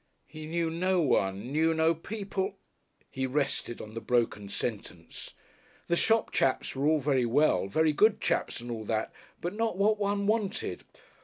He knew no one, knew no people . He rested on the broken sentence. The shop chaps were all very well, very good chaps and all that, but not what one wanted.